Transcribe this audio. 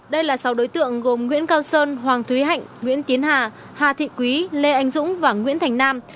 đây là sáu đối tượng gồm nguyễn cao sơn hoàng thúy hạnh nguyễn tiến hà hà thị quý lê anh dũng và nguyễn thành nam